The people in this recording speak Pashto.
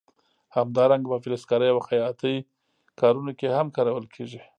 همدارنګه په فلزکارۍ او خیاطۍ کارونو کې هم کارول کېږي.